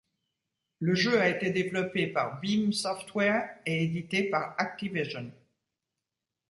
Le jeu a été développé par Beam Software et édité par Activision.